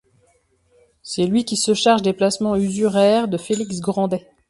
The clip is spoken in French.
C'est lui qui se charge des placements usuraires de Félix Grandet.